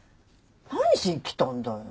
何しに来たんだよ！